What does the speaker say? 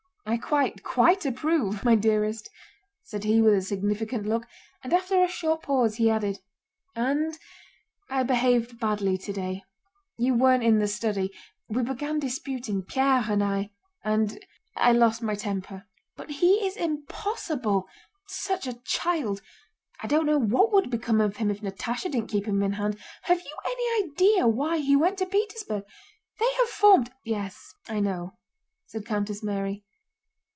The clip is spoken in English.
"I quite, quite approve, my dearest!" said he with a significant look, and after a short pause he added: "And I behaved badly today. You weren't in the study. We began disputing—Pierre and I—and I lost my temper. But he is impossible: such a child! I don't know what would become of him if Natásha didn't keep him in hand.... Have you any idea why he went to Petersburg? They have formed..." "Yes, I know," said Countess Mary.